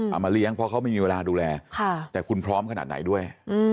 เอามาเลี้ยงเพราะเขาไม่มีเวลาดูแลแต่คุณพร้อมขนาดไหนด้วย